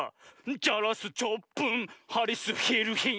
「ジャラスチョップンハリスヒルヒン」